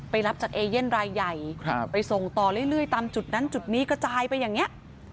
รับจากเอเย่นรายใหญ่ไปส่งต่อเรื่อยตามจุดนั้นจุดนี้กระจายไปอย่างนี้